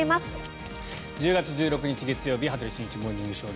１０月１６日、月曜日「羽鳥慎一モーニングショー」。